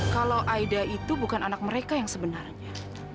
kalau aida itu bukan anak mereka yang sebenarnya